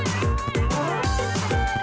eh sama sama mak